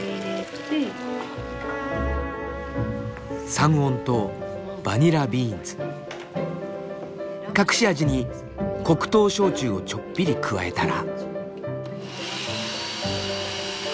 三温糖バニラビーンズ隠し味に黒糖焼酎をちょっぴり加えたら。